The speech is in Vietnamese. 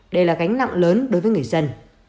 đây là gánh nặng lớn đối với người dân